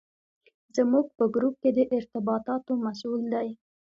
زموږ په ګروپ کې د ارتباطاتو مسوول دی.